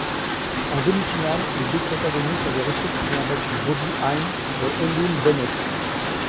En demi-finale, les deux protagonistes avaient respectivement battu Bobbie Heine et Eileen Bennett.